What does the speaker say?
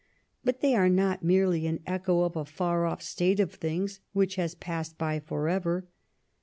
But they are not merely an echo of a far off state of things which has passed by for ever.